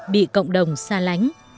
bị cộng đồng xa lánh